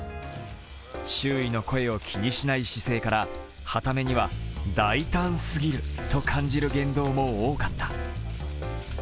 周囲の声を気にしない姿勢から、傍目には大胆すぎると感じる言動も多かった。